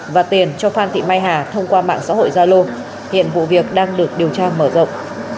và tiền cho phan thị mai hà thông qua mạng xã hội gia lô hiện vụ việc đang được điều tra mở rộng